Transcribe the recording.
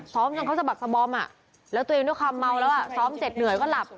ซ้อมจนเขาสะบักสบอมอ่ะแล้วตัวเองด้วยความเมาแล้วอ่ะซ้อมเสร็จเหนื่อยก็หลับ